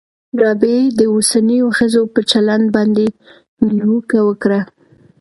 رابعې د اوسنیو ښځو په چلند باندې نیوکه وکړه.